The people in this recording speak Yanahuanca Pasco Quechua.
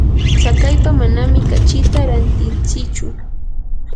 tsakaypa manami kachita rantintsichu.